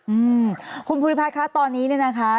อือคุณภูมิพลิภาคตอนนี้นะคะ